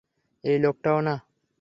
এই লোকটাও না!